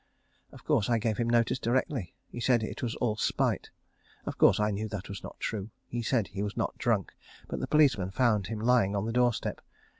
Of course I gave him notice directly. He said it was all spite. Of course I knew that was not true. He said he was not drunk, but the policeman found him lying on the doorstep.